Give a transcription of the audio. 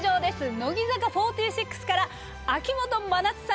乃木坂４６から秋元真夏さん